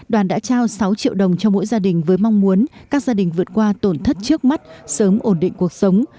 đoàn đã trao sáu triệu đồng cho mỗi gia đình với mong muốn các gia đình vượt qua tổn thất trước mắt sớm ổn định cuộc sống